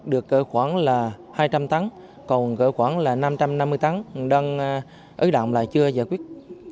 được khoảng là hai trăm linh tấn còn khoảng là năm trăm năm mươi tấn đang ứ động là chưa giải quyết